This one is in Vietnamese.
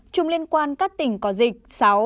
năm chùm liên quan các tỉnh có dịch sáu